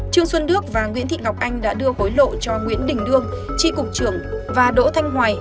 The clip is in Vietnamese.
trương xuân đức và nguyễn thị ngọc anh đã đưa hối lộ cho nguyễn đình đương tri cục trưởng và đỗ thanh hoài